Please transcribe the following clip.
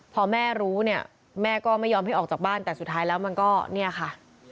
พอแม่รู้เนี่ยแม่ก็ไม่ยอมให้ออกจากบ้านแต่สุดท้ายแล้วมันก็เนี่ยค่ะ